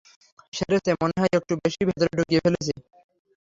সেরেছে, মনে হয় একটু বেশিই ভেতরে ঢুকিয়ে ফেলেছি।